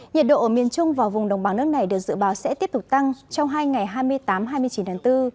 nhiệt độ ở miền trung và vùng đồng bằng nước này được dự báo sẽ tiếp tục tăng trong hai ngày hai mươi tám hai mươi chín tháng bốn